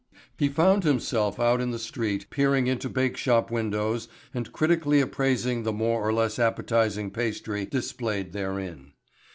He found himself out in the street peering into bakeshop windows and critically appraising the more or less appetizing pastry displayed therein.